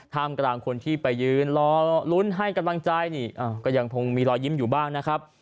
กำลังคนที่ไปยืนรอลุ้นให้กำลังใจนี่ก็ยังคงมีรอยยิ้มอยู่บ้างนะครับ